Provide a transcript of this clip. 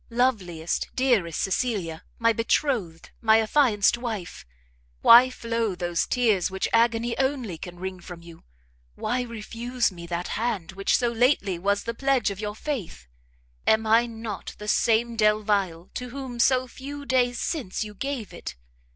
loveliest, dearest Cecilia, my betrothed, my affianced wife! why flow those tears which agony only can wring from you? Why refuse me that hand which so lately was the pledge of your faith? Am I not the same Delvile to whom so few days since you gave it?